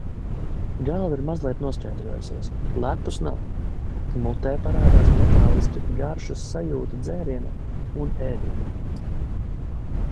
Galva ir mazliet noskaidrojusies, klepus nav. mutē parādās metāliska garšas sajūta dzērienam un ēdienam.